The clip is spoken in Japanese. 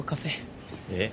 えっ？